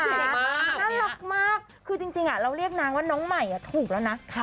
น่ารักมากคือจริงจริงอ่ะเราเรียกนางว่าน้องไหมอ่ะถูกแล้วนะค่ะ